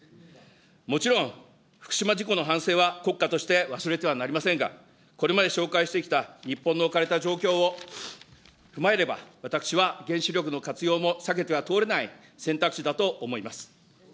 もちろん、福島事故の反省は国家として忘れてはなりませんが、これまで紹介してきた日本の置かれた状況を踏まえれば、私は原子力の活用も避けては通れない選択肢だと思います。